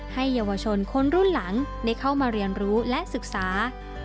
ให้เยาวชนคนรุ่นหลังได้เข้ามาเรียนรู้และศึกษา